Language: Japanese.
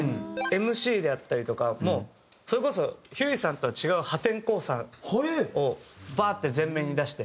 ＭＣであったりとかもそれこそひゅーいさんとは違う破天荒さをバーッて前面に出して。